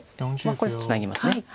これツナぎます。